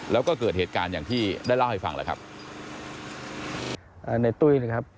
แล้วก็เกิดเหตุการณ์อย่างที่ได้เล่าให้ฟังแล้วครับ